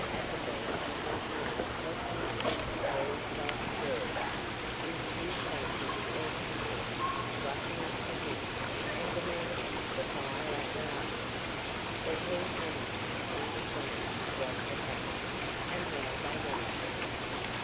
Appleby did not know what to make of three excited girls, in two panting automobiles, rushing up to him and demanding the fire apparatus, but he managed to understand what had happened, and why they wanted it.